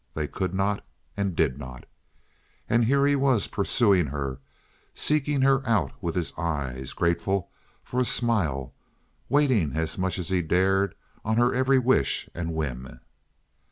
They could not and did not. And here he was pursuing her, seeking her out with his eyes, grateful for a smile, waiting as much as he dared on her every wish and whim.